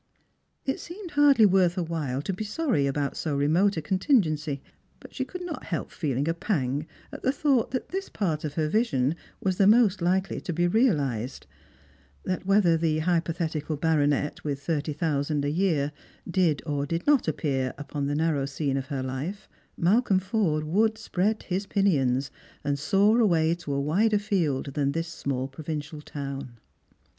It seemed hardly worth her while to be sorry about so remote a contingency; but she could not help feeling a pang at the thought that this part of her vision was the most likely to be 64 Strangers and Pilgrims. realised; that whether the hypothetical baronet, with thirt;^ thousand a year, did or did not appear upon the narrow sceiia of her life, Malcolm Forde would spi ead his pinions and soai away to a wider field than this small provincial town.